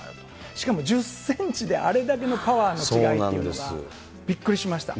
しかも１０センチで、あれだけのパワーの違いっていうのが、びっくりしました。